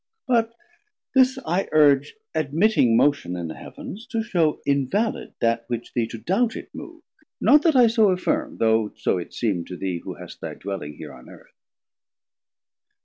But this I urge, Admitting Motion in the Heav'ns, to shew Invalid that which thee to doubt it mov'd; Not that I so affirm, though so it seem To thee who hast thy dwelling here on Earth.